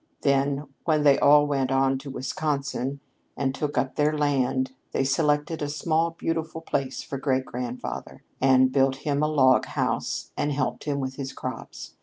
Then when they all went on to Wisconsin and took up their land, they selected a small beautiful piece for great grandfather, and built him a log house, and helped him with his crops.